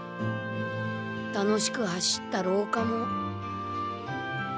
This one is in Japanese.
楽しく走った廊下も。